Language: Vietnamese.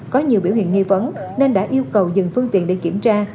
có nhiều biểu hiện nghi vấn nên đã yêu cầu dừng phương tiện để kiểm tra